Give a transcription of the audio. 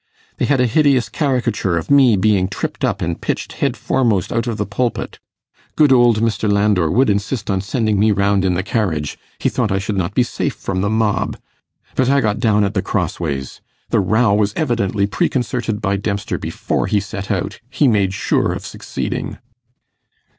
They had a hideous caricature of me being tripped up and pitched head foremost out of the pulpit. Good old Mr. Landor would insist on sending me round in the carriage; he thought I should not be safe from the mob; but I got down at the Crossways. The row was evidently preconcerted by Dempster before he set out. He made sure of succeeding.